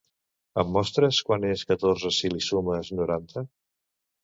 Em mostres quant és catorze si li sumes noranta?